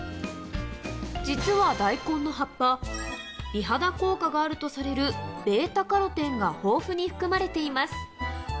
実は大根の葉っぱ、美肌効果があるとされるβカロテンが豊富に含まれています。